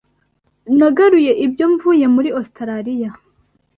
Nagaruye ibyo mvuye muri Ositaraliya.